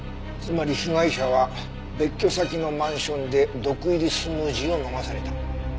つまり被害者は別居先のマンションで毒入りスムージーを飲まされた。